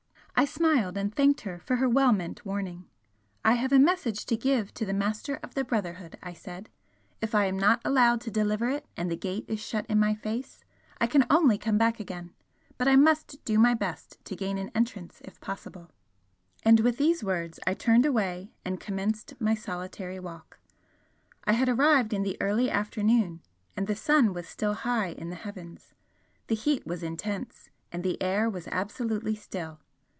I smiled and thanked her for her well meant warning. "I have a message to give to the Master of the Brotherhood," I said "If I am not allowed to deliver it and the gate is shut in my face, I can only come back again. But I must do my best to gain an entrance if possible." And with these words I turned away and commenced my solitary walk. I had arrived in the early afternoon and the sun was still high in the heavens, the heat was intense and the air was absolutely still.